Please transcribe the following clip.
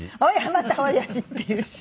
またおやじって言うし。